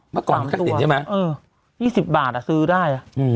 พะก่อนถ้าเสนอใช่ไหมธ๓๐๐ตัวอ่ะ๒๐บาทอ่ะซื้อได้อะ